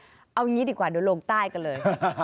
เอาอย่างนี้ดีกว่าเดี๋ยวลงใต้กันเลย